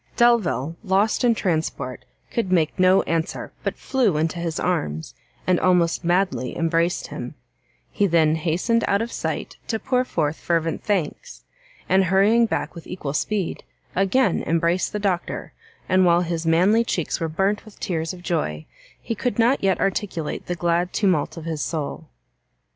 Delvile, lost in transport, could make no answer, but flew into his arms, and almost madly embraced him; he then hastened out of sight to pour forth fervent thanks, and hurrying back with equal speed, again embraced the Doctor, and while his manly cheeks were burnt with tears of joy, he could not yet articulate the glad tumult of his soul.